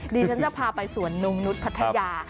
ดิฉันจะพาไปสวนนงนุษย์พัทยา